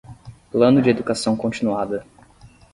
Plano de educação continuada.